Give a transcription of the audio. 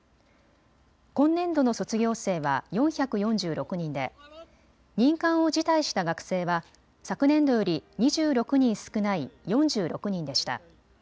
今年度の卒業生は４４６人で任官を辞退した学生は昨年度より２６人少ない４６人でした。